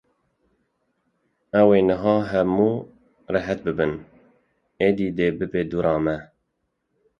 Ew ê niha hemû rihet bibin, êdî dê bibe dora me.